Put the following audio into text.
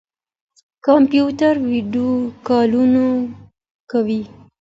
کمپيوټر ويډيو کالونه کوي.